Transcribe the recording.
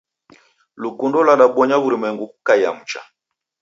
Lukundo lwadabonya w'urumwengu kukaiya mcha.